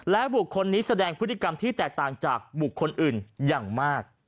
และบุคคลนี้แสดงพฤติกรรมที่แตกต่างจากบุคคลอื่นอย่างมาก